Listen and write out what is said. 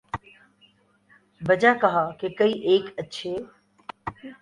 'بجا کہا کہ کئی ایک اچھے